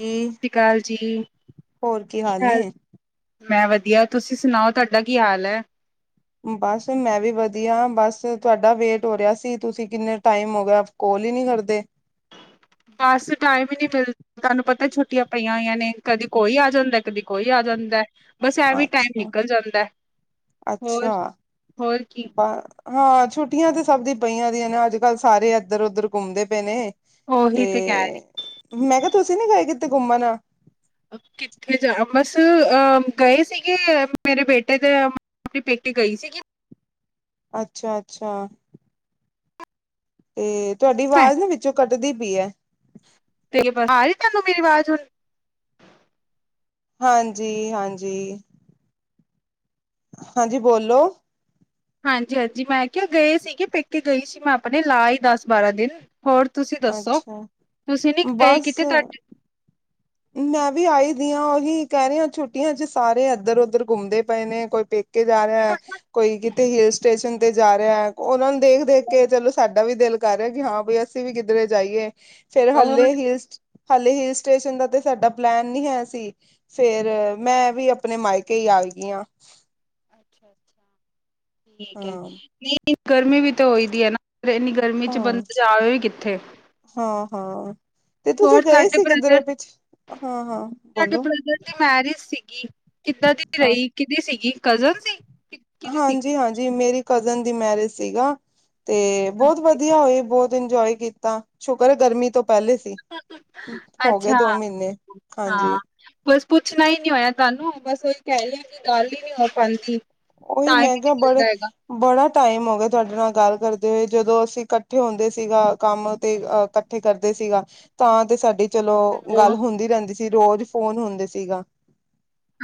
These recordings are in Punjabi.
ਜੀ ਸਤਿ ਸ਼੍ਰੀ ਅਕਾਲ ਜੀ ਕੀ ਹਾਲ? ਮੈਂ ਵਧੀਆ ਤੁਸੀਂ ਸੁਣਾਓ ਤੁਹਾਡਾ ਕੀ ਹਾਲ ਹੈ। ਬਸ ਮੈਂ ਵੀ ਵਧੀਆ ਬਸ ਤੁਹਾਡਾ ਵੇਟ ਹੋ ਰਿਹਾ ਸੀ ਤੁਸੀਂ ਕਿੰਨੇ ਟਾਈਮ ਹੋ ਗਿਆ। ਕੋਲ ਹੀ ਨਹੀ ਕਰਦੇ। ਬਸ ਟਾਈਮ ਹੀ ਨਹੀ ਮਿਲਦਾ। ਤੁਹਾਨੂੰ ਪਤਾ ਛੁੱਟੀਆਂ ਪਈਆਂ ਹੋਈਆਂ ਨੇ ਕਦੀ ਕੋਈ ਆ ਜਾਂਦਾ ਕਦੀ ਕੋਈ ਆ ਜਾਂਦਾ। ਬਸ ਐਵੀ ਟਾਈਮ ਅੱਛਾ ਨਿਕਲ ਜਾਂਦਾ ਹੋਰ ਅੱਛਾ ਹੋਰ ਕੀ ਬ ਹਾਂ ਛੁੱਟੀਆਂ ਤੇ ਸਭ ਦੀ ਪਈਆਂ ਦੀਆਂ ਨੇ ਅੱਜ ਕੱਲ੍ਹ ਸਾਰੇ ਇੱਧਰ ਉੱਧਰ ਘੁੰਮਦੇ ਪਏ ਨੇ। ਤੇ ਉਹੀ ਕਹਿ ਮੈਂ ਕਿਹਾ ਤੁਸੀਂ ਨਾਹੀ ਗਏ ਕਿਤੇ ਘੁੰਮਣ ਕਿੱਥੇ ਜਾਣਾ ਬਸ ਗਏ ਸੀਗੇ ਮੇਰੇ ਬੇਟੇ ਦੇ ਆਪਣੇ ਪੇਕੇੇ ਗਈ ਸੀਗੀ। ਅੱਛਾ ਅੱਛਾ ਇਹ ਤੁਹਾਡੀ ਮੈਂ ਆਵਾਜ਼ ਨਾ ਵਿੱਚੋਂ ਕੱਟਦੀ ਪਈ ਹੈ। ਤੇ ਬਸ ਆ ਰਹੀ ਤੁਹਾਨੂੰ ਮੇਰੀ ਆਵਾਜ਼ ਹੁਣ। ਹਾਂਜੀ ਹਾਂਜੀ। ਹਾਂਜੀ ਬੋਲੋ ਹਾਂਜੀ ਹਾਂਜੀ ਮੈਂ ਕਿਹਾ ਗਏ ਸੀਗੇ ਪੇਕੇ ਗਈ ਸੀ ਮੈਂ ਆਪਣੇ ਲਾ ਆਈ ਦਸ ਬਾਰਾਂ ਦਿਨ ਹੋਰ। ਤੁਸੀਂ ਦੱਸੋ ਅੱਛਾ ਤੁਸੀਂ ਨੀ ਗਏ ਬਸ ਕਿਤੇ ਤੁਹਾਡੇ। ਮੈਂ ਵੀ ਆਈ ਦੀ ਹਾਂ ਉਹੀ ਕਹਿ ਰਹੀ ਹਾਂ ਛੁੱਟੀਆਂ ਚ ਸਾਰੇ ਇੱਧਰ ਉੱਧਰ ਘੁੰਮਦੇ ਪਏ ਨੇ ਕੋਈ। ਪੇਕੇ ਜਾ ਰਿਹਾ ਹੈ ਕੋਈ ਕਿਤੇ ਹਿਲ ਸਟੇਸ਼ਨ। ਤੇ ਜਾ ਰਿਹਾ ਉਹਨਾਂ ਨੂੰ ਦੇਖ ਦੇਖ ਕੇ ਚਲੋ ਸਾਡਾ ਵੀ ਦਿਲ ਕਰ ਰਿਹਾ ਕਿ ਹਾਂ ਬਈ ਅਸੀਂ ਵੀ ਕਿੱਧਰੇ ਜਾਈਏ। ਫੇਰ ਹੋਰ ਹਲੇੇ ਹਿਲ ਹਾਲੇ ਹਲ ਸਟੇਸ਼ਨ ਦਾ ਤੇ। ਸਾਡਾ ਪਲੈਨ ਨੀ ਹੈ ਸੀ ਫੇਰ ਮੈਂ ਵੀ ਆਪਣੇ ਮਾਇਕੇ ਹੀ ਆ ਗਈ ਹਾਂ। ਅ ਅ ਠੀਕ ਹੈ ਹਾਂ ਨਹੀਂ ਗਰਮੀ ਵੀ ਤਾਂ ਹੋਈ ਦੀ ਹੈ ਨਾ ਇਨੀ ਗਰਮੀ ਗਰਮੀ 'ਚ ਹਾਂ ਬੰਦਾ ਜਾਵੇ ਵੀ ਕਿੱਥੇ। ਹਾਂ ਹਾਂ ਤੇ ਤੁਸੀਂ ਹੋਰ ਗਏ ਸਾਡੇ ਸੀ ਕਿਧਰੇ ਬ੍ਰਦਰ ਵਿੱਚ ਹਾਂ ਹਾਂ ਬੋਲੋ। ਤੇ ਮੈਰਿਜ ਸੀਗੀ ਕਿੱਦਾਂ ਦੀ ਹਾਂ ਰਹੀ ਕੀਦੀ ਸੀਗੀ ਕਜ਼ਨ ਸੀ ਕੀ। ਹਾਂਜੀ ਹਾਂਜੀ ਮੇਰੀ ਕਜ਼ਨ ਦੀ ਮੈਰਿਜ ਸੀਗਾ। ਤੇ ਬਹੁਤ ਵਧੀਆ ਹੋਏ ਬਹੁਤ ਇੰਜੋਏ ਕੀਤਾ ਸ਼ੁਕਰ ਐ ਗਰਮੀ ਤੋਂ। ਪਹਿਲੇ ਸੀ ਹੋ ਗਏ ਅੱਛਾ ਦੋ ਮਹੀਨੇ ਹਾਂਜੀ। ਹਾਂ ਬਸ ਪੁੱਛਣਾ ਹੀ ਨਹੀਂ ਹੋਇਆ ਤੁਹਾਨੂੰ ਬਸ ਉਹੀ ਕਹਿ ਰਹੀ ਕਿ ਗੱਲ ਹੀ ਨਹੀਂ ਹੋ ਪਾਉਂਦੀ। ਉਹੀ ਟਾਈਮ ਹੀ ਮਹਿੰਗਾ ਨਿਕਲ ਬੜੇ। ਜਾਏਗਾ ਬੜਾ ਟਾਈਮ ਹੋ ਗਿਆ ਤੁਹਾਡੇ ਨਾਲ ਗੱਲ ਕਰਦੇ ਹੋਏ ਜਦੋਂ ਅਸੀਂ ਇਕੱਠੇ ਹੁੰਦੇ ਸੀਗਾ ਕੰਮ। ਤੇ ਹੈਲੋ ਅਹ ਇਕੱਠੇ ਕਰਦੇ ਸੀਗਾ ਤਾਂ ਤੇ ਸਾਡੀ ਚਲੋ ਹੈਲੋ ਗੱਲ ਹੁੰਦੀ ਰਹਿੰਦੀ ਸੀ। ਤੇ ਰੋਜ਼ ਫੋਨ ਹੁੰਦੇ ਸੀਗਾ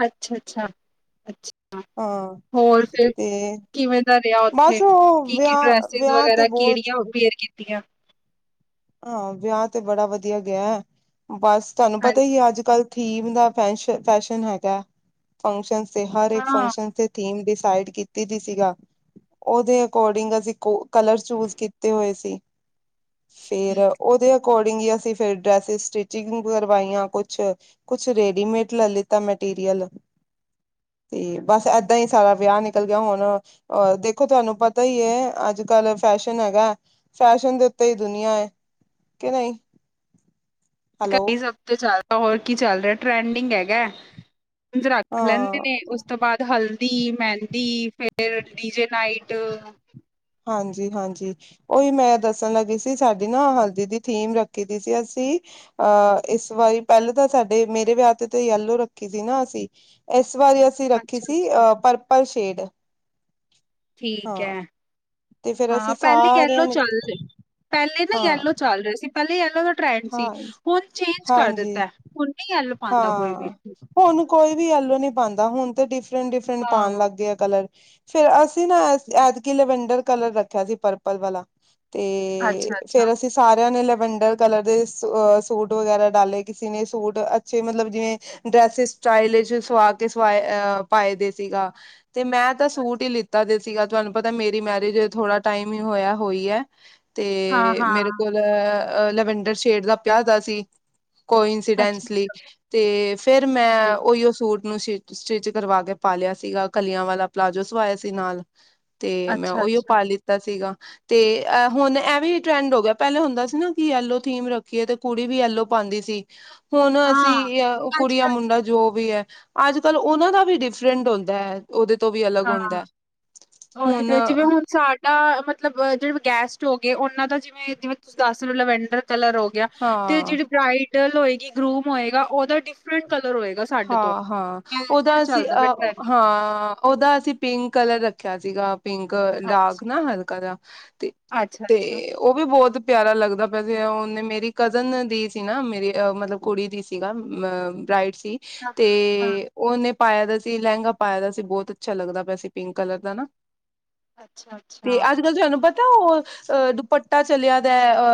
ਅੱਛ, ਅੱਛਾ -ਅੱਛਾ, ਅੱਛਾ ਹਾਂ, ਹੋਰ ਫਿਰ ਤੇ ਕਿਵੇਂ ਦਾ ਰਿਹਾ ਉੱਥੇ ਬਸ ਉਹ ਕੀ ਕੀ ਵਿਆਹ ਡਰੈਸਿਸ ਵਿਆਹ ਤੇ ਵਗੈਰਾ ਬਹੁਤ ਕਿਹੜੀਆਂ ਵੇਅਰ ਕੀਤੀਆਂ। ਹਾਂ ਵਿਆਹ ਤੇ ਬੜਾ ਵਧੀਆ ਗਿਆ, ਬਸ ਤੁਹਾਨੂੰ ਪਤਾ ਹੀ ਹਾਂਜੀ ਅੱਜ -ਕੱਲ। ਥੀਮ ਦਾ ਫੈਸ਼ਨ ਫੈਸ਼ਨ ਹੈਗਾ ਫੰਕਸ਼ਨਸ। ਤੇ ਹਰ ਇੱਕ ਹਾਂ ਫੰਕਸ਼ਨ ਤੇ ਥੀਮ ਡਿਸਾਈਡ ਕੀਤੀ। ਤੇ ਜ ਸੀਗਾ ਉਹਦੇ ਅਕੋਰਡਿੰਗ ਅਸੀਂ ਕੋ ਕਲਰ ਚੂਜ ਕੀਤੇ ਹੋਏ ਸੀ ‌। ਫੇਰ ਠੀਕ ਉਹਦੇ ਅਕੋਰਡਿੰਗ ਹੀ ਅਸੀਂ ਫਿਰ ਡਰੈਸਿਸ ਸਟਿਚਿੰਗ ਕਰਵਾਈਆਂ ਕੁਛ। ਕੁਛ ਰੇਡੀਮੇਡ ਲੈ ਲਿੱਤਾ ਮੈਟੀਰੀਅਲ। ਤੇ ਬਸ ਏਦਾਂ ਸਾਰਾ ਵਿਆਹ ਨਿਕਲ ਗਿਆ ਹੁਣ। ਅ ਦੇਖੋ ਤੁਹਾਨੂੰ ਪਤਾ ਹੀ ਅੱਜ- ਕੱਲ ਫੈਸ਼ਨ ਹੈਗਾ, ਫੈਸ਼ਨ ਦੇ ਉੱਤੇ। ਦੁਨੀਆਂ, ਕਿ ਨਹੀਂ। ਹੈਲੋ ਘਰੇ ਸਭ ਕੁਛ ਚਲਦਾ ਹੋਰ ਕੀ ਚੱਲ ਰਿਹਾ ਟ੍ਰੈਂਡਿੰਗ ਹੈਗਾ। ਕੁਝ ਰੱਖ ਲੈਂਦੇ ਨੇ ਹਾਂ ਉਸ ਉਸ ਤੋਂ ਬਾਅਦ ਹਲਦੀ, ਮਹਿੰਦੀ, ਫੇਰ ਡੀ ਜੇ ਨਾਈਟ। ਹਾਂਜੀ- ਹਾਂਜੀ। ਉਹੀ ਮੈਂ ਦੱਸਣ ਲੱਗੀ ਸੀ ਸਾਡੀ ਨਾ ਹਲਦੀ ਦੀ ਥੀਮ ਰੱਖੀ ਦੀ ਅਸੀਂ। ਅਹ ਇਸ ਵਾਰੀ ਪਹਿਲੇ ਤਾਂ ਸਾਡੇ ਮੇਰੇ ਵਿਆਹ ਤੇ ਯੈਲੋ ਰੱਖੀ ਸੀ ਨਾ ਅਸੀਂ। ਇਸ ਵਾਰੀ ਅਸੀ ਰੱਖੀ ਸੀ, ਅੱਛਾ ਅਹ ਪਰਪਲ ਸ਼ੇਡ। ਠੀਕ ਹਾਂ ਹੈ ਤੇ ਫੇਰ ਅਸੀਂ ਹਾਂ ਪਹਿਲੇ ਕਹਿ ਲਓ ਸਾਰਿਆਂ ਨੇ ਚੱਲਦੇ। ਪਹਿਲੇ ਨਾ ਹਾਂ ਯੈਲੋ ਚੱਲ ਰਹੇ ਸੀ। ਪਹਿਲੇ ਯੈਲੋ ਦਾ ਟਰੈਂਡ ਸੀ, ਹਾਂ ਹੁਣ ਚੇਂਜ ਕਰ ਹਾਂਜੀ ਦਿੱਤਾ, ਹੁਣ ਨਹੀਂ ਯੈਲੋ ਪਾਉਂਦਾ ਕੋਈ ਹਾਂ ਵੀ। ਹੁਣ ਕੋਈ ਵੀ ਯੈਲੋ ਨੀ ਪਾਉਂਦਾ, ਹੁਣ ਤੇ ਡਿਫਰੈਂਟ- ਡਿਫਰੈਂਟ ਹਾਂ ਪਾਉਣ ਲੱਗ ਗਏ ਆ ਕਲਰ। ਫਿਰ ਅਸੀਂ ਨਾ ਐਤ ਐਤਕੀ ਲੈਵਂਡਰ ਕਲਰ ਰੱਖਿਆ ਸੀ ਪਰਪਲ ਵਾਲਾ। ਅੱਛਾ ਤੇ, ਅੱਛਾ ਫਿਰ ਅਸੀਂ ਸਾਰਿਆਂ ਨੇ ਲਵੰਡਰ। ਕਲਰ ਦੇ ਅ ਸੂਟ ਵਗੈਰਾ ਡਾਲੇ। ਕਿਸੇ ਨੇ ਸੂਟ ਅੱਛੇ ਮਤਲਬ ਜਿਵੇਂ ਡਰੈਸਿਸ ਸਟਾਈਲਿਸ਼ਸ ਸਵਾ ਕੇ ਸਵਾਏ ਅ ਪਾਏ ਦੇ ਸੀਗਾ। ਤੇ ਮੈਂ ਤੇ ਸੂਟ ਈ ਲਿੱਤਾ ਦਿਤ ਤਿਆ ਤੁਹਾਨੂੰ ਪਤਾ, ਮੇਰੀ ਮੈਰਿਜ਼ ਥੋੜਾ ਟਾਈਮ ਈ ਹੋਇਆ ਹੋਈ ਏ। ਹਾਂ ਤੇ ਮੇਰੇ ਹਾਂ ਕੋਲ ਅ ਲਵਂਡਰ ਸ਼ੇਡ ਦਾ ਪਿਆ ਦਾ ਸੀ। ਕੋਈ ਅੱਛਾ ਇੰਸੀਡੈਂਸਲੀ ਅੱਛਾ ਤੇ ਫੇਰ ਮੈਂ ਉਹੀ ਸੂਟ ਨੂੰ ਸੀ ਸਿਟਿਚ ਕਰਵਾ ਕੇ ਪਾ ਲਿਆ ਸੀਗਾ, ਕਲੀਆਂ ਵਾਲਾ ਪਲਾਜੋ ਸਵਾਇਆ ਸੀ ਨਾਲ। ਤੇ ਮੈਂ ਅੱਛਾ ਉਹੀਓ ਅੱਛਾ ਪਾ ਲਿੱ ਲਿਤਾ ਸੀਗਾ, ਤੇ ਅਹ ਹੁਣ ਏਹਵੇ ਟਰੈਂਡ ਹੋ ਗਿਆ ਪਹਿਲੇ ਹੁੰਦਾ ਸੀ ਨਾ ਕਿ ਯੈਲੋ ਥੀਮ ਰੱਖੀਏ। ਤੇ ਕੁੜੀ ਵੀ ਯੈਲੋ ਪਾਉਂਦੀ ਸੀ। ਹੁਨ ਅਸੀਂ ਹਾਂ ਈਆ ੳ ਅੱਜ ਕੁੜੀਆਂ ਕੱਲ ਮੁੰਡਾ ਜੋ ਵੀ ਏ। ਅੱਜ ਕੱਲ ਉਹਨਾਂ ਦਾ ਵੀ ਡਿਫਰੈਂਟ ਹੁੰਦਾ ਏ। ਉਹਦੇ ਤੋਂ ਵੀ ਅਲੱਗ ਹਾਂ ਹੁੰਦੈ ਹੁਨ ਤਾ ਮਤਲਬ ਅ ਜੇੜੇ ਗੈਸਟ ਹੋ ਗਏ, ਉਹਨਾਂ ਦਾ ਜਿਵੇਂ- ਜਿਵੇਂ ਤੁਸੀਂ ਦੱਸ ਰੇ ਲਂਵੈਡਰ ਕਲਰ ਹੋ ਗਿਆ। ਤੇ ਹਾਂ ਜੇੜੀ ਬ੍ਰਾਈਡਲ ਹੋਏਗੀ, ਗਰੂਮ ਹੋਏਗਾ ਉਹਦਾ ਡਿਫਰੈਂਟ ਕਲਰ ਹੋਏਗਾ। ਸਾਡੇ ਤੋਂ ਹਾਂ- ਹਾਂ ਐ ਐ ਉਹਦਾ ਅਸੀਂ ਚੱਲਦਾ ਪਿਆ ਅ ਟਰੈਂਡ ਹਾਂ। ਉਹਦਾ ਅਸੀਂ ਪਿੰਕ ਕਲਰ ਰੱਖੇਆ ਸੀਗਾ ਪਿੰਕ ਡਾਰਕ ਨਾ ਹਲਕਾ ਜਾ ਤੇ ਅੱਛਾ ਅੱਛਾ ਤੇ ਅੱਛਾ ੳ ਉਹ ਵੀ ਬੋਤ ਪਿਆਰਾ ਲੱਗਦਾ ਪਿਆ ਸੀ ਉਹਨੇ ਮੇਰੀ ਕਜ਼ਨ ਦੀ ਸੀ ਨਾ ਮੇਰੀ ਅ ਮਤਲਬ ਕੁੜੀ ਦੀ ਸੀਗਾ। ਮ ਬਰਾਾਈਡ ਸੀ ਹਾਂ ਤੇ ਹਾਂ ਹਾਂ, ਉਹਨੇ ਪਾਏਆ ਦਾ ਸੀ ਲੈਂਗਾ ਪਾਇਆ ਦਾ ਸੀ ਬੋਹੁਤ ਅੱਛਾ ਲੱਗਦਾ ਪੇਆ ਸੀ ਪਿੰਕ ਕਲਰ ਦਾ ਨਾ। ਅੱਛਾ ਤੇ ਅੱਛਾ ਅੱਜ ਕੱਲ ਤੁਹਾਨੂੰ ਪਤਾ ਉਹ ਅ ਦੁਪੱਟਾ ਚਲੇਆ ਦਾ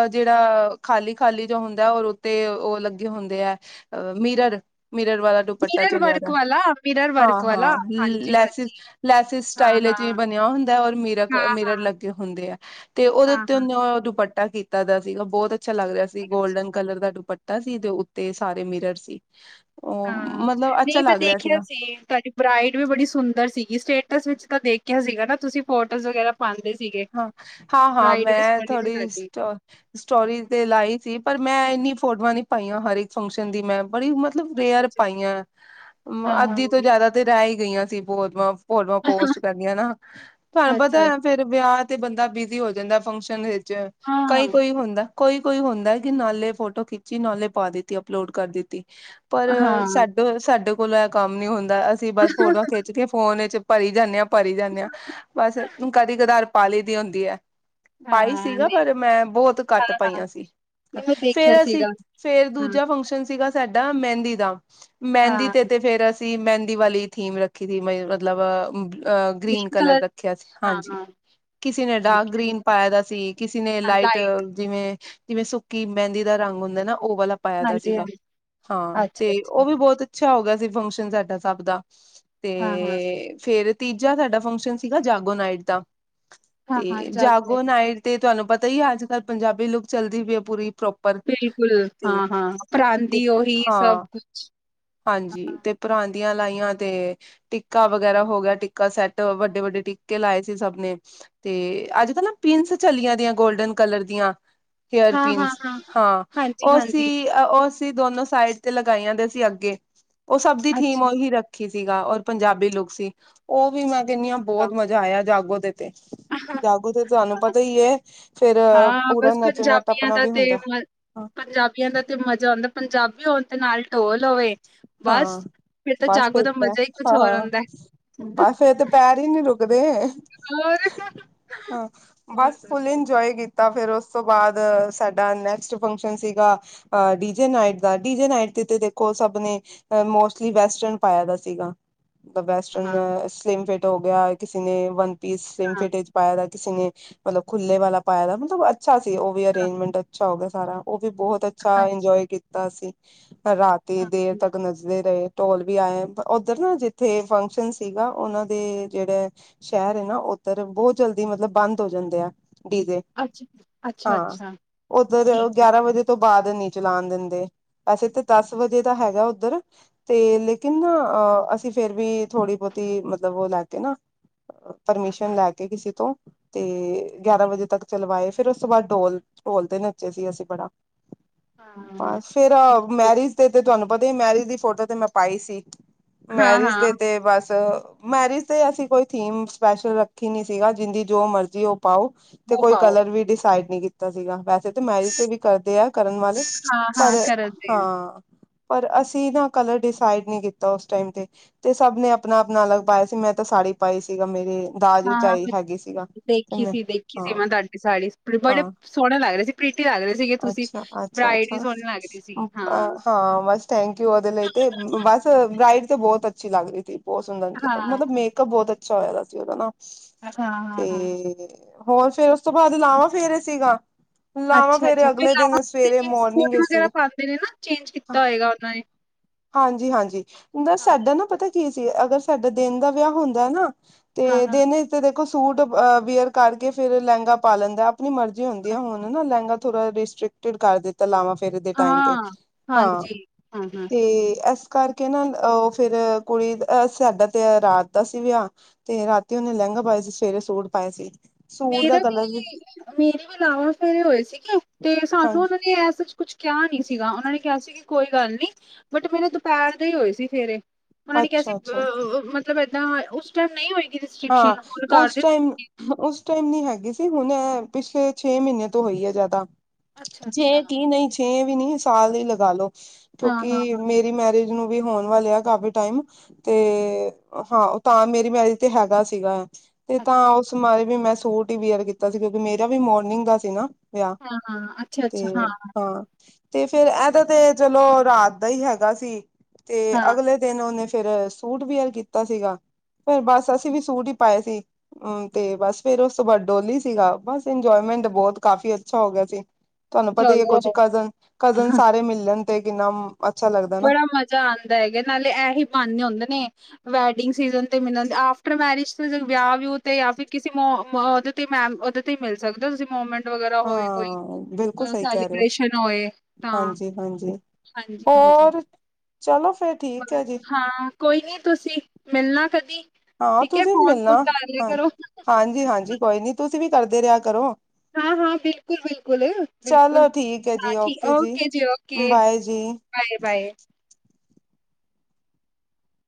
ਅ ਜੇੜਾ ਖਾਲੀ -ਖਾਲੀ ਜੋ ਹੁੰਦਾ ਔਰ ਉੱਤੇ ਉਹ ਲੱਗ ਗੇ ਹੁੰਦੇ ੲ ਅ ਮੀਰਰ -ਮੀਰਰ ਵਾਲਾ ਦੁਪੱਟਾ ਮਿਰਰ ਚਲੇਆ ਦਾ। ਵਰਕ ਵਾਲਾ ਮਿਰਰ ਹਾਂ ਵਰਕ - ਹਾਂ ਵਾਲਾ ਹਾਂਜੀ ਲੈਸਿਸ ਹਾਂਜੀ -ਲੈਸਿਸ। ਹਾਂ ਸਟਾਈਲ ਵਿੱਚ ਈ ਹਾਂ ਬਨੇਆ ਹੁੰਦਾ ਏ, ਔਰ ਮੀਰਕ ਹਾਂ ਮਿਰਰ ਹਾਂ ਲੱਗੇ ਹੁੰਦੇ ਏ, ਤੇ ਉਹਦੇ ਹਾਂ ਉੱਤੇ ਹਾਂ ਉਹਨੇ ਉਹ ਦੁਪੱਟ ਟਾ ਕੀਤਾ ਦਾ ਸੀਗਾ, ਬੋਤ ਅੱਛਾ ਲੱਗ ਰਿਹਾ ਸੀ ਗੋਲਡਨ ਕਲਰ ਦਾ ਦੁਪਟ ਟਾ ਸੀ, ਦੇ ਉੱਤੇ ਸਾਰੇ ਮਿਰਰ ਸੀ। ਉਹ ਹਾਂ ਮਤਲਬ ਅੱਛਾ ਨਈ ਮੈਂ ਲੱਗ ਰਿਹਾ ਦੇਖਿਆ ਸੀਗਾ ਸੀ, ਤੁਹਾਡੀ ਬ੍ਰਈਡ ਵੀ ਬੜੀ ਸੁੰਦਰ ਸੀਗੀ, ਸਟੇਟਸ ਵਿੱਚ ਤਾਂ ਦੇਖੇਆ ਸੀਗਾ ਨਾ ਤੁਸੀਂ ਫੋਟੋਜ਼ ਵਗੈਰਾ ਪਾਂਦੇ ਸੀਗੇ। ਹਾਂ, ਹਾਂ, ਹਾਂ ਮੈਂ ਥੋੜੀ ਸਟੋ ਸਟੋਰੀ ਤੇ ਲਾਈ ਸੀ, ਪਰ ਮੈਂ ਇੰਨੀ ਫੋਟੋਆਂ ਨੀ ਪਾਈਆਂ ਹਰੇਕ ਫੰਗਸ਼ਨ ਦੀ ਮੈਂ ਬੜੀ ਬ ਰੇਅਰ ਪਾਈਆਂ, ਹਾਂ, ਹਾਂ, ਅੱਧੀ ਤੋਂ ਜਾਦਾ ਤੇ ਰੈ ਈ ਗਈਆਂ ਸੀ ਫੋਤਵਾਂ। ਫੋਟਵਾ ਪੋਸਟ ਕਰਨੀਆਂ ਨਾ, ਤੁਹਾਨੂੰ ਪਤਾ ਅੱਛਾ, ਹੈ ਫੇਰ ਵਿਆਹ ਤੇ ਬੰਦਾ ਬਿਜੀ ਹੋ ਜਾਂਦਾ ਫੰਕਸ਼ਨ ਵਿੱਚ, ਕਈ ਹਾਂ। -ਕੋਈ ਹੁੰਦਾ ਕੋਈ -ਕੋਈ ਹੁੰਦਾ ਕਿ ਨਾਲੇ ਫੋਟੋ ਖਿੱਚੀ ਨਾਲੇ ਪਾ ਦਿੱਤੀ ਅਪਲੋਡ ਕਰ ਦਿੱਤੀ। ਪਰ ਹਾਂ। ਸਾਡੇ -ਸਾਡੇ ਕੋਲੋਂ ਐਹ ਕੰਮ ਨੀ ਹੁੰਦਾ ਅਸੀਂ ਬਸ ਫੋਟੋਆਂ ਖਿੱਚ ਕੇ ਫੋਨ ਵਿੱਚ ਭਰੀ ਜਾਂਦੇ ਆਂ, ਭਰੀ ਜਾਂਦੇ ਆਂ। ਬਸ ਕਦੀ ਕਦਾਰ ਪਾ ਲੀ ਹੁੰਦੀ ਏ। ਪਾਈ ਹਾਂ, ਸੀਗਾ ਨਹੀਂ ਪਰ ਮੈਂ ਬੋਤ ਹਾਂ, ਘੱਟ ਹਾਂ, ਪਾਈਆਂ ਸੀ। ਨਹੀਂ ਮੈਂ ਦੇਖਿਆ ਫੇਰ ਅਸੀਂ ਸੀਗਾ। ਫੇਰ ਹਾਂ, ਦੂਜਾ ਫੰਗਸ਼ਨ ਸੀਗਾ ਸਾਡਾ ਮੈਂਦੀ ਦਾ। ਮੈਂਦੀ ਹਾਂ, ਤੇ -ਤੇ ਫੇਰ ਅਸੀ ਥੀਸ ਮੈਂਦੀ ਵਾਲੀ ਥੀਮ ਰੱਖੀ ਸੀ। ਮ ਮਤਲਬ ਅ ਗ੍ਰੀਨ ਕਲਰ ਰੱਖਿਆ ਸੀ ਹਾਂ, ਹਾਂਜੀ। ਹਾਂ ਕਿਸੇ ਨੇ ਡਾਰਕ ਠੀਕ ਹੈ, ਗ੍ਰੀਨ ਪਾਏਆ ਦਾ ਸੀ, ਕਿਸੇ ਨੇ ਲਾਈਟ। ਜਿਵੇਂ- ਜਿਵੇਂ ਸੁੱਕੀ ਮੈਂਦੀ ਦਾ ਰੰਗ ਹੁੰਦਾ ਨਾ, ਉਹ ਵਾਲਾ ਪਾਏਆਂ ਦਾ ਹਾਂਜੀ, ਸੀਗਾ। ਹਾਂਜੀ। ਹਾਂ ਤੇ ਅੱਛਾ, ਅੱਛਾ, ਉਹ ਵੀ ਬੋਤ ਅੱਛਾ ਹੋ ਗਿਆ ਸੀ ਫੰਗਸ਼ਨ ਸਾਡਾ ਸਭ ਦਾ। ਹਾਂ, ਹਾਂ। ਤੇ ਫੇਰ ਤੀਜਾ ਸਾਡਾ ਫੰਗਸ਼ਨ ਸੀਗਾ ਜਾਗੋ ਨਾਈਟ ਦਾ। ਹਾਂ, ਹਾਂ ਤੇ ਜਾਗੋ ਨਾਇਟ ਤੇ ਤੁਹਾਨੂੰ ਪਤਾ ਈ ਏ ਅੱਜ -ਕੱਲ ਪੰਜਾਬੀ ਲੁੱਕ ਚੱਲਦੀ ਪਈ ਏ ਪੂਰੀ ਪ੍ਰੋਪਰ। ਬਿਲਕੁਲ, ਤੇ ਹਾਂ, ਹਾਂ -ਤੇ ਪਰਾਂਦੀ ਉਹੀ ਸਭ ਹਾਂ। ਕੁਛ। ਹਾਂਜੀ ਤੇ ਪਰਾਂਦੀਆਂ ਲਾਈਆਂ ਤੇ ਟਿੱਕਾ ਵਗੈਰਾ ਹੋ ਗਿਆ ਟਿੱਕਾ ਸੈੱਟ ਵੱਡੇ ਵੱਡੇ ਟਿੱਕੇ ਲਾਏ ਸੀ ਸਭ ਨੇ ਤੇ ਅੱਜ ਕੱਲ੍ਹ ਨਾ ਪਿਨਸ ਚਲੀਆਂ ਦੀਆਂ ਗੋਲਡਨ ਕਲਰ ਦੀਆਂ ਹੇਅਰ ਹਾਂ, ਹਾਂ, ਪਿਨਸ ਹਾਂ ਹਾਂਜੀ, ਓਸੀ ਹਾਂਜੀ, ਉਹ ਅਸੀਂ ਦੋਨੋ ਸਾਈਡ ਤੇ ਲਗਾਈਆ ਦੇਸੀ ਅੱਗੇ ਉ ਸਭ ਦੀ ਥੀਮ ਅੱਛਾ। ਉਹੀ ਰੱਖ ਖੀ ਸੀਗਾ ਔਰ ਪੰਜਾਬੀ ਲੁੱਕ ਸੀ ਉ ਵੀ ਮੈਂ ਕੈਂਨੀ ਆ ਬੋਤ ਮਜ਼ਾ ਆਇਆ ਜਾਗੋ ਦੇ ਤੇ, ਅੱਛਾ ਜਾਗੋ ਤੇ ਤੁਆਨੂੰ ਪਤਾ ਈ ਐ, ਫੇਰ, ਹਾਂ, ਪੂਰਾ ਬਸ ਨੱਚਣਾ ਪੰਜਾਬੀਆਂ ਟੱਪਣਾ ਦਾ ਵੀ ਤੇ ਹੁੰਦਾ। ਮ ਪੰਜਾਬੀਆਂ ਦਾ ਤੇ ਮਜ਼ਾ ਆਂਦਾ ਪੰਜਾਬੀ ਹੋਣ ਤੇ ਨਾਲ ਢੋਲ ਹੋਵੇ ਬਸ ਹਾਂ, ਫਿਰ ਤਾਂ ਬਸ ਜਾਗੋ ਫੇਰ ਦਾ ਤੇ ਮਜ਼ਾ ਹੀ ਕੁਛ ਹੋਰ ਹਾਂ, ਹੁੰਦਾ। ਹੈ। ਬੱਸ ਫੇਰ ਤੇ ਪੈਰ ਈ ਨੀ ਰੁਕਦੇ, ਹੋਰ ਹਾਂ ਹੋਰ ਬਸ ਫੁੱਲ ਦੱਸੋ? ਈਂਜੋਏ ਕੀ ਤਾਂ ਫੇਰ ਓਸ ਤੋਂ ਬਾਦ ਸਾਡਾ ਨੈਕਸਟ ਫੰਕਸ਼ਨ ਸੀਗਾ। ਅ ਡੀ ਜੇ ਨਾਈਟ ਦਾ ਡੀ ਜੇ ਨਾਈਟ ਤੇ ਤੇ ਦੇਖੋ ਸਬ ਨੇ ਅ ਮੋਸਟਲੀ ਵੈਸਟਰਨ ਪਾਇਆ ਦਾ ਸੀਗਾ ਹਾਂ, ਵੈਸਟਰਨ ਸਲੀਮ ਫਿਟ ਹੋ ਗੇਆ ਕਿਸੇ ਨੇ ਵਨ ਪੀਮ ਸਿਮ ਹਾਂ, ਫਿਟ ਏਚ ਪਾਏਆ ਦਾ ਕਿਸੇ ਨੇ ਮਤਲਬ ਖੁੱਲੇ ਵਾਲਾ ਪਾਯਾ ਦਾ ਮਤਬ ਅ ਛਾ ਸੀ ਓ ਵੀ ਹਾਂ, ਅਰੇਂਜਮੈਂਟ ਅੱਛਾ ਹੋ ਗੇਆ ਸਾਰਾ ਓ ਵੀ ਬਹੁਤ ਅੱਛਾ ਈਂਜੌਏ ਕੀਤਾ ਸੀ, ਰਾ ਤੀ ਹਾਂ, ਦੇਰ ਤੱਕ ਨੱਚਦੇ ਰਏ ਟੋਲ ਵੀ ਆਏ ਓਧਰ ਨਾ ਜਿਥੇ ਫੰਕਸ਼ਨ ਸੀਗਾ ਓਨਾ ਦੇ ਜੇੜੇ ਸ਼ੈਰ ਏ ਨਾ ਓਦਰ ਬੋਤ ਜਲਦੀ ਮਤਲਬ ਬੰਦ ਹੋ ਜਾਂਦੇ ਆ, ਡੀਜੇ। ਅੱਛ, ਹਾਂ ਅੱਛਾ-ਅੱਛਾ ਉੱਧਰ ਠੀਕ ਆ। ਗਿਆਰਾਂ ਵਜੇ ਤੋਂ ਬਾਦ ਨੀ ਚਲਾਣ ਦੇਂਦੇ, ਵੈਸੇ ਤਾਂ ਦਸ ਅੱਛਾ ਵਜੇ ਦਾ ਹੈਗਾ ਓਦਰ ਤੇ ਲੇਕੀਨ ਨਾ ਅ ਅਸੀਂ ਫੇਰ ਵੀ ਥੋੜ੍ਹੀ ਬੋਤੀ ਮਤਲਬ ਓ ਲੈ ਕੇ ਨਾ ਪਰਮੀਸ਼ਨ ਲੈ ਕੇ ਕੀਸੇ ਤੋਂ ਤੇ, ਗੇਆਰਾਂ ਵਜੇ ਤੱਕ ਚਲਵਾਏ ਫੇਰ ਓਸ ਤੋਂ ਬਾਦ ਡੋਲ ਟੋਲ ਤੇ ਨੱਚੇ ਸੀ ਅਸੀਂ ਬੜਾ ਹਾਂ। ਬਸ ਫੇਰ ਠੀਕ ਠੀਕ। ਮੈਰਿਜ ਦੇ ਤੇ ਤੁਆਨੂੰ ਪਤਾਈ ਮੈਰਿਜ ਦੀ ਫੋਟੋ ਤੇ ਮੈਂ ਪਾਈ ਸੀ ਹਾਂ, ਮੈਰਿਜ ਹਾਂ ਦੇ ਤੇ ਬਸ ਮੈਰਿਜ ਤੇ ਅਸੀਂ ਕੋਈ ਥੀਮ ਸਪੈਸ਼ਲ ਰੱਖੀ ਨੀ ਸੀਗਾ ਜੀਂਦੀ ਜੋ ਮਰਜ਼ੀ ਓ ਪਾਓ, ਤੇ ਉਹ ਕੋਈ ਪਾਓ ਕਲਰ ਵੀ ਡੀਸਾਈਡ ਨੀ ਕੀਤਾ ਸੀਗਾ ਵੈਸੇ ਤੇ ਮੈਰਿਜ ਤੇ ਵੀ ਕਰਦੇ ਆ ਕਰਨ ਵਾਲੇ, ਹਾਂ, ਹਾਂ, ਪਰ ਕਰਦੇ ਹਾਂ ਪਰ ਅਸੀਂ ਨਾ ਕਲਰ ਡੀਸਾਈਡ ਨਈ ਕੀਤਾ ਓਸ ਟਾਈਮ ਤੇ ਤੇ ਸਭ ਨੇ ਅਪਣਾ-ਅਪਣਾ ਅਲੱਗ ਪਾਯਾ ਸੀ ਮੈਂ ਤੇ ਸਾੜੀ ਪਾਈ ਸੀਗਾ ਮੇਰੇ ਦਾਜ ਆ ਹਾਂ। ਵੇਚ ਆਈ ਹਾਂ ਹੈਗੀ ਸੀਗਾ ਤੇ ਦੇਖੀ ਮੈਂ, ਸੀ ਦੇਖੀ ਸੀ ਹਾਂ ਮੈਂ ਤੁਹਾਡੀ ਸਾੜੀ ਬੜੇ ਹਾਂ ਸੋਣੇ ਲੱਗ ਰੇ ਸੀ ਪ੍ਰੀਟੀ ਲੱਗ ਰੇ ਸੀਗੇ ਤੁਸੀਂ ਬਰਾਈਡ ਵੀ ਸੋਣੀ ਲੱਗ ਰਈ ਸੀ। ਅ ਹਾਂ ਵੰਸ਼ ਟੇ ਕੀਉ ਓਦੇ ਲਈ ਤੇ ਬਸ ਬਰਾਈਡ ਤੇ ਬੋਤ ਅੱਛੀ ਲੱਗਰੀ ਤੀ ਬੋਤ ਸੁੰਦਰ ਹਾਂ, ਮਤਲਬ ਮੇ ਕਪ ਬੋਤ ਅੱਛਾ ਹੋਇਆ ਓਦਾ ਨਾ, ਹਾਂ, ਹਾਂ ਤੇ ਹਾਂ ਹੋਰ ਫੇਰ ਓਸ ਤੋਂ ਬਾਦ ਲਾਵਾਂ ਫੇਰ ਸੀਗਾ ਲਾਵਾਂ ਅੱਛਾ, ਅੱਛਾ ਫੇਰੇ ਅਗਲੇ ਦੇਨ ਸਵੇਰੇ ਮੋਰਨਿੰਗ ਐਚ ਸੀਗੇ। ਮੇਰੇ ਨਾ ਚੇਂਜ ਕੀਤਾ ਹੋਏਗਾ ਉਨਾਂ ਨੇ ਹਾਂਜੀ-ਹਾਂਜੀ ਬ ਹਾਂ, ਸਾਡਾ ਨਾ ਪਤਾ ਕੀ ਸੀ ਅਗਰ ਸਾਡਾ ਦੇਨ ਦਾ ਵੇਆ ਹੁੰਦਾ ਨਾ ਤੇ ਹਾਂ, ਹਾਂ, ਦੇਨ ਚ ਤੇ ਦੇਖੋ ਸੂਟ ਅ ਵੇਅਰ ਕਰਕੇ ਫੇਰ ਲੇੰਗਾ ਪਾ ਲੈਂਦਾ ਅਪਣੀ ਮਰਜ਼ੀ ਹਾਂ, ਹੁੰਦੀਆਂ ਹੁਣ ਨਾ ਲੇਂਗਾ ਥੋੜ੍ਹਾ ਰਿਸਟ੍ਰਿਕਟ ਤੇੜ ਕਰ ਦਿੱਤਾ ਲਾਵਾਂ ਫੇਰੇ ਦੇ ਟਾਈਮ ਤੇ, ਹਾਂ ਹੂੰ-ਹੂੰ। ਤੇ ਐਸ ਕਰਕੇ ਨਾ ਓ ਫੇਰ ਕੁੜੀ ਅ ਸਾਡਾ ਤੇ ਅ ਰਾਤ ਦਾ ਸੀ ਵੇਆ ਤੇ ਰਾਤੀ ਓਨੇ ਲੈਂਗਾ ਪਾਏਆ ਸੀ ਸਵੇਰੇ ਸੂਟ ਪਾਏ ਸੀ, ਸੂਟ ਦਾ ਕਲਰ ਵੀ ਮੇਰੇ ਵੀ ਲਾਵਾਂ ਫੇਰੇ ਹੋਏ ਸੀਗੇ, ਤੇ ਸਾਨੂੰ ਹਾਂਜੀ ਓਨਾਂ ਨੇ ਏਸਚ ਕੁਛ ਕੇਆ ਨੀ ਸੀਗਾ ਓਨਾਂ ਨੇ ਕੇਆ ਸੀ ਕੀ ਕੋਈ ਗੱਲ ਨੀ ਬਟ ਮੇਰੇ ਦੁਪੇਰ ਦੇ ਈ ਹੋਏ ਸੀ ਫੇਰੇ ਓਨਾਂ ਨੇ ਕੇਆ ਸੀ ਬ ਅੱਛਾ-ਅੱਛਾ ਅ ਮਤਲਬ ਏਦਾਂ ਓਸ ਟਾਈਮ ਨਈ ਹੋਏਗੀ ਹਾਂ ਰਿਸਟ੍ਰਿਕਸ਼ਨ ਹੁਨ ਕਰ ਉਸ ਦਿੱਤੀ ਟਾਈਮ ਉਸ ਟਾਈਮ ਨੀ ਹੈਗੀ ਸੀ ਹੁਨ ਪਿਛਲੇ ਛੇ ਮੀਨੇਆ ਤੋਂ ਹੋਈ ਏ ਜ਼ਾਦਾ ਅੱਛਾ ਅੱਛਾ ਛੇ ਕੀ ਨਈ ਛੇ ਵੀ ਨੀ ਸਾਲ ਈ ਲਗਾਲੋ, ਹਾਂ ਹਾਂ ਕਿਉਂਕੀ ਹਾਂ ਮੇ ਰੀ ਮੈਰੀਜ ਨੂੰ ਵੀ ਹੋਣ ਵਾਲੇ ਆ ਕਾਫੀ ਟਾਈਮ, ਤੇ ਹਾਂ ਤਾਂ ਮੇਰੀ ਮੈਰਿਜ ਤੇ ਹੈਗਾ ਸੀਗਾ ਤੇ ਤਾਂ ਅੱਛਾ ਉਸ ਬਾਰੇ ਵੀ ਮੈਂ ਸੂਟ ਈ ਬੀਅਰ ਕੀਤਾ। ਸੀ ਕਿਉਂਕਿ ਮੇਰਾ ਵੀ ਮੋਰਨਿੰੰਗ ਦਾ ਸੀ ਨਾ ਵਿਆਹ ਹਾਂ ਹਾਂ ਅੱਛਾ ਤੇ ਅੱਛਾ ਹਾਂ ਤੇ ਫੇਰ ਏਦਾਂ ਤੇ ਚਲੋ ਰਾਤ ਦਾ ਈ ਹੈਗਾ ਸੀ ਤੇ ਹਾਂ ਅਗਲੇ ਦਿਨ ਉਹਨੇ ਫੇਰ ਸੂਟ ਵੀਅਰ ਕੀਤਾ ਸੀਗਾ ਫਿਰ ਬਸ ਅਸੀਂ ਵੀ ਸੂਟ ਈ ਪਾਏ ਸੀ। ਹੂੰ, ਤੇ ਬਸ ਫੇਰ ਉਸ ਤੋਂ ਬਾਅਦ ਡੋਲੀ ਸੀਗਾ ਬਸ ਇੰਜੋਏਮੈਂਟ ਬਹੁਤ ਕਾਫੀ ਅੱਛਾ ਹੋ ਗਿਆ ਸੀ। ਤੁਹਾਨੂੰ ਪਤਾ ਈ ਐ ਚਲੋ ਕੁਝ ਕਜ਼ਨ ਕਜ਼ਨ ਸਾਰੇ ਮਿਲਣ ਤੇ ਕਿੰਨਾ ਅੱਛਾ ਲੱਗਦਾ ਨਾ ਬੜਾ ਮਜ਼ਾ ਆਂਦਾ ਹੈਗਾ ਨਾਲੇ ਇਹ ਹੀ ਬਹਾਨੇ ਹੁੰਦੇ ਨੇ ਵੈਡਿੰਗ ਸੀਜਨ ਤੇ ਮਿਲਣ ਆਫਟਰ ਮੈਰਿਜ ਵਿਆਹ ਵਿਊ ਤੇ ਜਾਂ ਫਿਰ ਕਿਸੇ ਓ ਓ ਤੇ ਮੈਮ ਉਦੇ ਤੇ ਹੀ ਮਿਲ ਸਕਦੇ ਓ ਤੁਸੀਂ ਮੂਵਮੈਂਟ ਵਗੈਰਾ ਹੋਏ ਕੋਈ ਹਾਂ ਬਿਲਕੁਲ ਸਹੀ ਕਹਿ ਰਹੇ ਹੋ ਸੈਲੀਬ੍ਰੇਸ਼ਨ ਹੋਏ ਤਾਂ ਹਾਂਜੀ ਹਾਂਜੀ ਹਾਂਜੀ ਹਾਂਜੀ। ਹੋਰ ਚਲੋ ਫੇਰ ਠੀਕ ਹੈ ਬਸ ਜੀ ਹਾਂ ਕੋਈ ਨੀ ਤੁਸੀਂ ਮਿਲਣਾ ਕਦੀ। ਹਾਂ, ਠੀਕ ਹੈ ਤੁਸੀਂ ਵੀ ਫੋਨ ਫੋਨ ਮਿਲਣਾ ਕਰ ਲਿਆ ਹਾਂ ਕਰੋ ਹਾਂਜੀ ਹਾਂਜੀ ਕੋਈ ਨੀ ਤੁਸੀਂ ਵੀ ਕਰਦੇ ਰਿਆ ਕਰੋ। ਹਾਂ ਹਾਂ, ਬਿਲਕੁਲ ਬਿਲਕੁਲ ਬਿਲਕੁਲ ਚਲੋ ਠੀਕ ਹੈ ਹਾਂ ਜੀ ਠੀਕ ਓਕੇ ਜੀ ਓਕੇ। Bye bye.